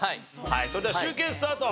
それでは集計スタート！